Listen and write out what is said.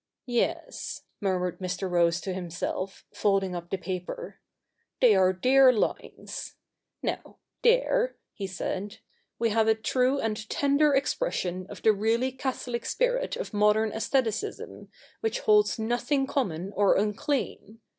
Yes,' murmured Mr. Rose to himself, folding up the paper ;' they are dear lines. Now, there,' he said, ' we have a true and tender expression of the really Catholic spirit of modern aestheticism, which holds nothing com mon or unclean.